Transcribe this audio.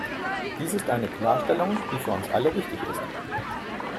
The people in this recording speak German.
Dies ist eine Klarstellung, die für uns alle wichtig ist.